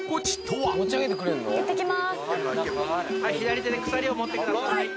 はい左手で鎖を持ってください